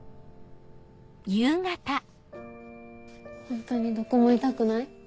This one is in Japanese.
ホントにどこも痛くない？